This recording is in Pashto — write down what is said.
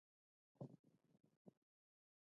د باقلي دانه د هډوکو لپاره وکاروئ